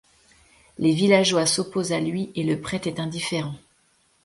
Les villageois s'opposent à lui et le prêtre est indifférent.